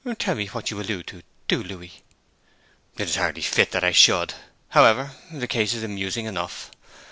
'Tell me what you allude to, do, Louis.' 'It is hardly fit that I should. However, the case is amusing enough.